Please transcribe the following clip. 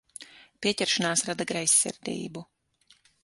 Pieķeršanās rada greizsirdību.